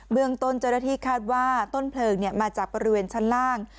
เมืองต้นเจ้าหน้าที่คาดว่าต้นเพลิงมาจากบริเวณชั้นล่าง